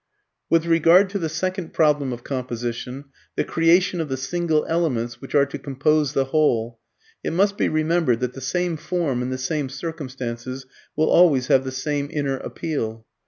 With regard to the second problem of composition, the creation of the single elements which are to compose the whole, it must be remembered that the same form in the same circumstances will always have the same inner appeal.